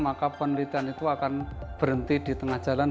maka penelitian itu akan berhenti di tengah jalan